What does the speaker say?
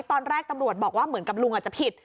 ตอนแรกตำรวจบอกว่าเหมือนกับลุงอาจจะผิด